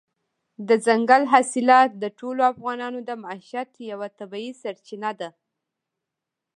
دځنګل حاصلات د ټولو افغانانو د معیشت یوه طبیعي سرچینه ده.